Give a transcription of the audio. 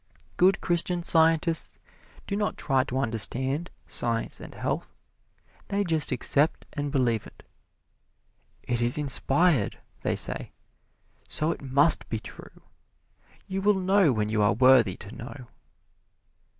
Good Christian Scientists do not try to understand "Science and Health" they just accept and believe it. "It is inspired," they say, "so it must be true you will know when you are worthy to know."